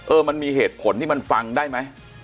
มันมีเหตุผลที่มันฟังได้ไหม